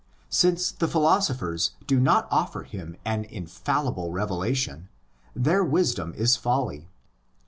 Since the philosophers do not offer him an infallible revelation, their wisdom is folly.